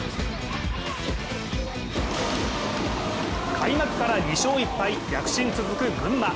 開幕から２勝１敗、躍進続く群馬。